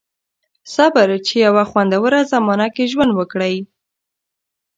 • صبر، چې په یوه خوندوره زمانه کې ژوند وکړئ.